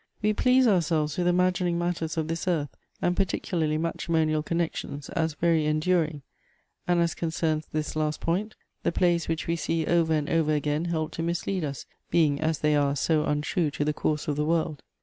We please ourselves with imagining matters of this earth, and particularly matrimonial connections, as very enduring ; and as concerns this last point, the plays which we see over and over again help to mislead us ; being, as they are, so untrue to the course of the world.